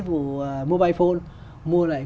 vụ mobile phone mua lại